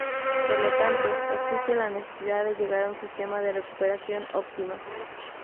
Por lo tanto, existe la necesidad de llegar a un sistema de recuperación óptima.